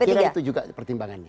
saya kira itu juga pertimbangannya